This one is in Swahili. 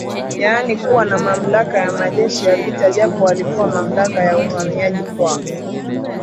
yaani kuwa na mamlaka ya majeshi ya vita japo walipewa mamlaka ya Uhamiaji kwa